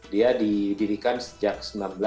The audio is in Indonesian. dia didirikan sejak seribu sembilan ratus delapan